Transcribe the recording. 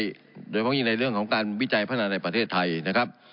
โดยเฉพาะยิ่งในเรื่องของการวิจัยพัฒนาในประเทศไทยนะครับ